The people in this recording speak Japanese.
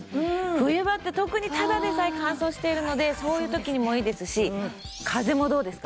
冬場って特にただでさえ乾燥しているのでそういう時にもいいですし風もどうですか？